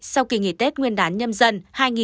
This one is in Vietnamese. sau kỳ nghỉ tết nguyên đán nhâm dân hai nghìn hai mươi một